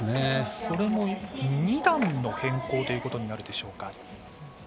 それも２段の変更ということになるでしょうか。